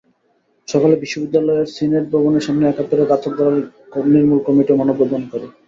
সকালে বিশ্ববিদ্যালয়ের সিনেট ভবনের সামনে একাত্তরের ঘাতক দালাল নির্মূল কমিটিও মানববন্ধন করে।